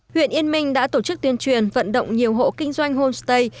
huyện yên minh đã tổ chức tuyên truyền vận động nhiều hộ kinh doanh homestay